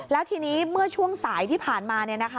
แล้วทีนี้เมื่อช่วงสายที่ผ่านมา